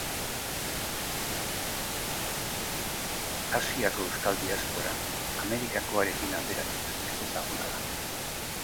Asiako euskal diaspora Amerikakoarekin alderatuz ezezaguna da.